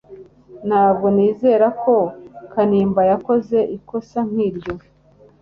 Ntabwo nizera ko Kanimba yakoze ikosa nk'iryo